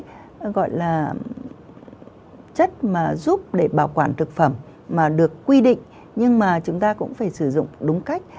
cái gọi là chất mà giúp để bảo quản thực phẩm mà được quy định nhưng mà chúng ta cũng phải sử dụng đúng cách